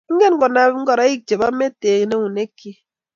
Ingen konab ngoroik chebo meet eng eunekchi